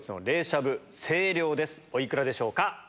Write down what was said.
お幾らでしょうか？